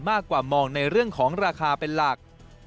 มากกว่ามองในเรื่องของราคาเป็นหลัก